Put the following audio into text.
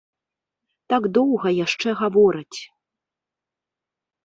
Так доўга яшчэ гавораць.